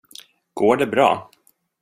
Går det bra?